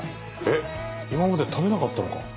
えっ今まで食べなかったのか？